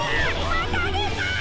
またでた！